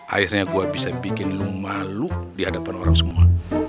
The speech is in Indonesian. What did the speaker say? akhirnya gue bisa bikin lu malu di hadapan orang semua